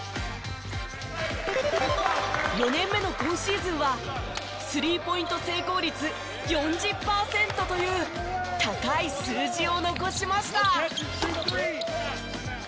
４年目の今シーズンはスリーポイント成功率４０パーセントという高い数字を残しました。